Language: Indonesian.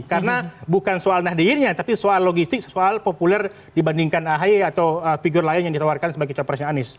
karena bukan soal nahdiennya tapi soal logistik soal populer dibandingkan ahi atau figure lain yang ditawarkan sebagai capresnya anies